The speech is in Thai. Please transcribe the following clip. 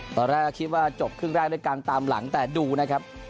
ตอนแรกก็คิดว่าจบครึ่งแรกด้วยการตามหลังแต่ดูนะครับ